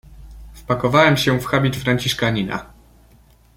"Wpakowałem się w habit franciszkanina."